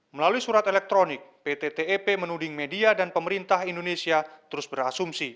melalui surat elektronik pt tep menuding media dan pemerintah indonesia terus berasumsi